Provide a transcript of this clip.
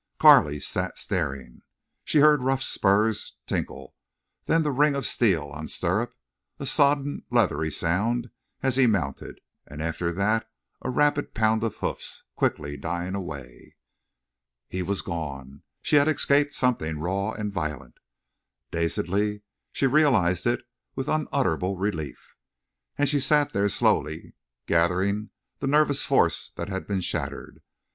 Carley sat staring. She heard Ruff's spurs tinkle, then the ring of steel on stirrup, a sodden leathery sound as he mounted, and after that a rapid pound of hoofs, quickly dying away. He was gone. She had escaped something raw and violent. Dazedly she realized it, with unutterable relief. And she sat there slowly gathering the nervous force that had been shattered.